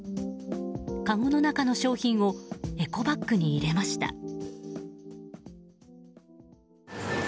かごの中の商品をエコバッグに入れました。